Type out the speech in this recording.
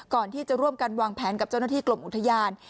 ก่อนที่จะร่วมกันวางแผนกับเจ้าหน้าที่กลมอุทยาน